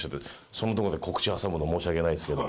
そんなとこで告知挟むの申し訳ないですけど。